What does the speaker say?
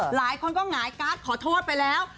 หลายคนก็หงายการ์ดขอโทษไปแล้ว